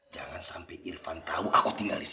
jangan sampai irfan tahu aku tinggal di sini